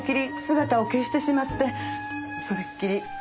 姿を消してしまってそれっきり。